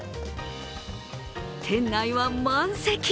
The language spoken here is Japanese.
店内は満席。